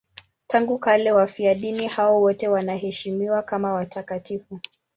Tangu kale wafiadini hao wote wanaheshimiwa kama watakatifu.